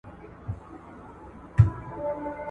روښانه رنګونه د خوښۍ نښه ده.